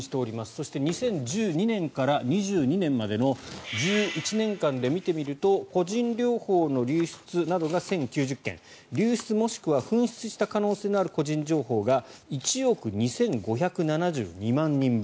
そして２０１２年から２２年までの１１年間で見てみると個人情報の流出などが１０９０件流出もしくは紛失した可能性のある個人情報が１億２５７２万人分。